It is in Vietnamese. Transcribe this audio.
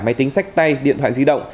máy tính sách tay điện thoại di động